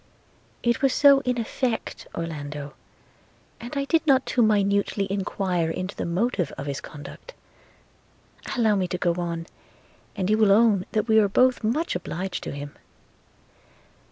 'It was so in effect, Orlando, and I did not too minutely enquire into the motive of his conduct. Allow me to go on, and you will own that we are both much obliged to him.